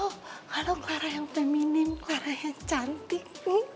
halo clara yang feminim clara yang cantik